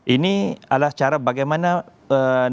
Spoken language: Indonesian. ini adalah cara bagaimana mencari